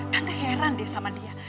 tante heran deh sama dia